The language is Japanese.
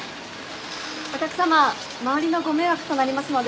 お客さま周りのご迷惑となりますので。